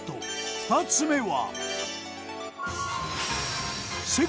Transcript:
２つ目は。